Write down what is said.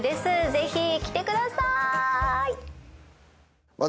ぜひ来てくださーいまあ